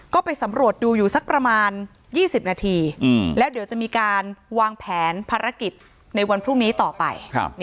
ก็ไปสำรวจดูอยู่สักประมาณ๒๐นาทีแล้วเดี๋ยวจะมีการวางแผนภารกิจในวันพรุ่งนี้ต่อไป